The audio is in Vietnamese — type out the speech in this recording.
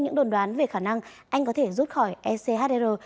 những đồn đoán về khả năng anh có thể rút khỏi echr